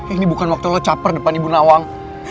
ini bukan waktu lo caper depan ibu nawang